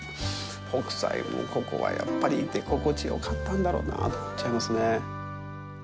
北斎も、ここはやっぱり居心地がよかったんだろうなぁと思いますね。